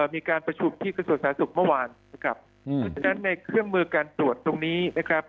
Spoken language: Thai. มีการประชุมที่กระทรวงสาธารณสุขเมื่อวานนะครับเพราะฉะนั้นในเครื่องมือการตรวจตรงนี้นะครับ